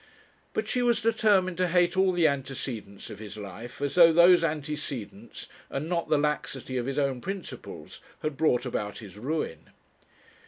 But she was determined to hate all the antecedents of his life, as though those antecedents, and not the laxity of his own principles, had brought about his ruin.